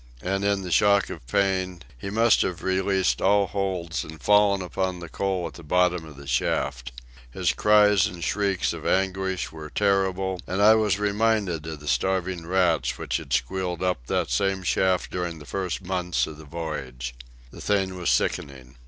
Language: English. And, in the shock of pain, he must have released all holds and fallen upon the coal at the bottom of the shaft. His cries and shrieks of anguish were terrible, and I was reminded of the starving rats which had squealed up that same shaft during the first months of the voyage. The thing was sickening.